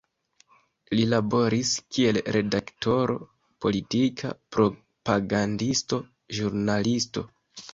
Li laboris kiel redaktoro, politika propagandisto, ĵurnalisto.